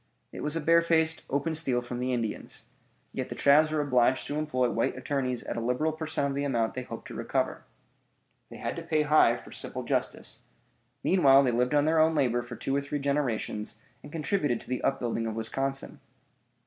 It was a barefaced, open steal from the Indians. Yet the tribes were obliged to employ white attorneys at a liberal per cent. of the amount they hoped to recover. They had to pay high for simple justice. Meanwhile they lived on their own labor for two or three generations, and contributed to the upbuilding of Wisconsin.